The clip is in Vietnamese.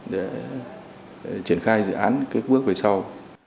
để triển khai dự án cái bước về sau